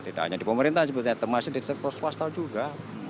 tidak hanya di pemerintahan sebutnya teman teman di terkursus swasta juga